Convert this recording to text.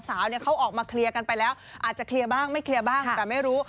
สาวเนี่ยเขาออกมาเคลียร์กันไปแล้วอาจจะเคลียร์บ้างไม่เคลียร์บ้างแต่ไม่รู้